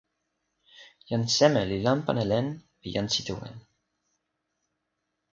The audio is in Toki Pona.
jan seme li lanpan e len pi jan Sitowen?